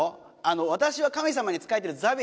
私は神様に仕えてるザビエル。